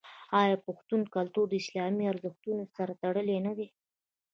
آیا پښتون کلتور د اسلامي ارزښتونو سره تړلی نه دی؟